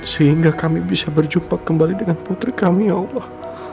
sehingga kami bisa berjumpa kembali dengan putri kami ya allah